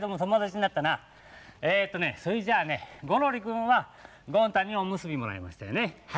それじゃゴロリくんはゴン太におむすびもらいましたよね。